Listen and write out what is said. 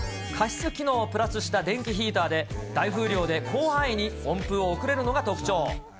加湿機能をプラスした電気ヒーターで、大風量で広範囲に温風を送れるのが特徴。